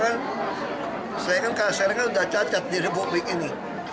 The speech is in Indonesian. karena kan saya kan kasernya udah cacat di republik ini